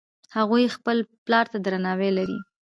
هغوی خپل پلار ته درناوی لري